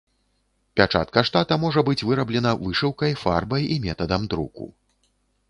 Пячатка штата можа быць выраблена вышыўкай, фарбай і метадам друку.